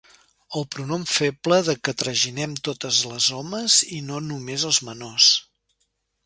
El pronom feble de que traginem totes les homes, i no només els menors.